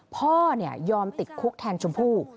พ่อยอมติดคุกแทนชมพู่